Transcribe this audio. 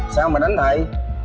sao mà đánh thầy